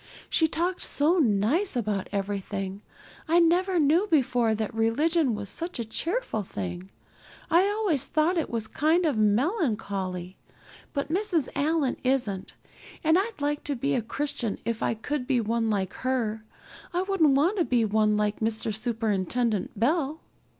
She talked so nice about everything. I never knew before that religion was such a cheerful thing. I always thought it was kind of melancholy, but Mrs. Allan's isn't, and I'd like to be a Christian if I could be one like her. I wouldn't want to be one like Mr. Superintendent Bell."